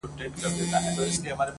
زور لري چي ځان کبابولای سي-